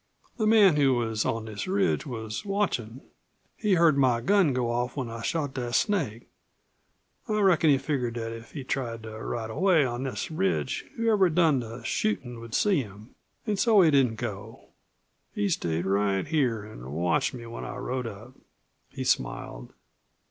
"The man who was on this ridge was watchin'. He heard my gun go off, when I shot that snake. I reckon he figgered that if he tried to ride away on this ridge whoever'd done the shootin' would see him. An' so he didn't go. He stayed right here an' watched me when I rode up." He smiled.